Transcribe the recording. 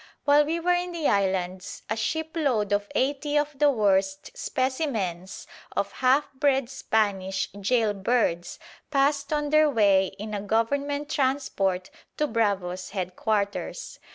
While we were in the islands a shipload of eighty of the worst specimens of half bred Spanish gaol birds passed on their way in a Government transport to Bravo's headquarters.